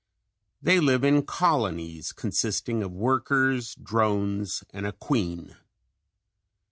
They live in colonies consisting of workers, drones, and a queen.